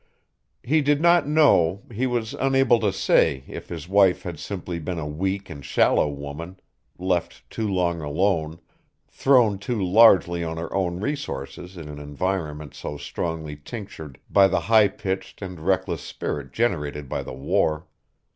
He did not know, he was unable to say if his wife had simply been a weak and shallow woman, left too long alone, thrown too largely on her own resources in an environment so strongly tinctured by the high pitched and reckless spirit generated by the war.